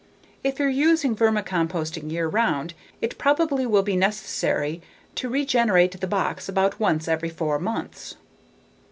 If you're using vermicomposting year round, it probably will be necessary to regenerate the box about once every four months.